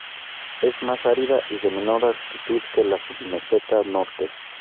Es más árida y de menor altitud que la submeseta Norte.